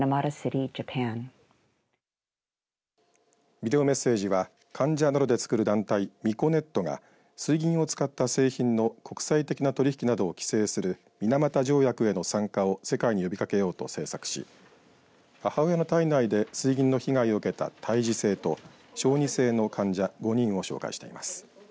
ビデオメッセージは患者などでつくる団体、ＭＩＣＯネットが水銀を使った製品の国際的な取り引きなどを規制する水俣条約への参加を世界に呼びかけようと制作し母親の胎内で水銀の被害を受けた胎児性と小児性の患者５人を紹介しています。